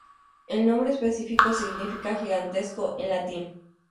El nombre específico significa "gigantesco" en latín.